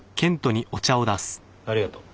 ありがとう。